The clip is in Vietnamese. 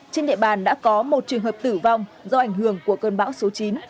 trên địa bàn đã có một trường hợp tử vong do ảnh hưởng của cơn bão số chín